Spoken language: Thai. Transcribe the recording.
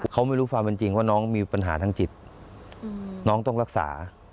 เขาไม่รู้ความเป็นจริงว่าน้องมีปัญหาทางจิตน้องต้องรักษา